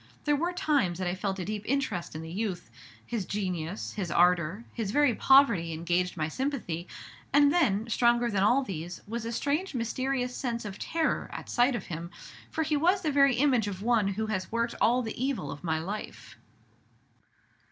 There were times that I felt a deep interest in the youth: his genius, his ardor, his very poverty engaged my sympathy; and then, stronger than all these, was a strange, mysterious sense of terror at sight of him, for he was the very image of one who has worked all the evil of my life."